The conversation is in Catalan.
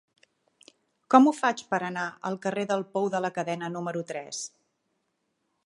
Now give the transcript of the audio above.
Com ho faig per anar al carrer del Pou de la Cadena número tres?